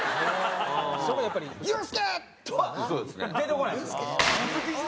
それは、やっぱり「ユースケ！」とは出てこないんですよ。